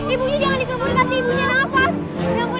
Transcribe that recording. ibunya jangan dikumpul kasih ibunya nafas